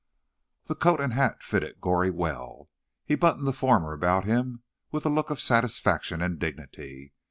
The coat and hat fitted Goree well. He buttoned the former about him with a look of satisfaction and dignity.